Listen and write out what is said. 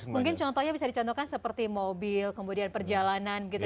mungkin contohnya bisa dicontohkan seperti mobil kemudian perjalanan gitu ya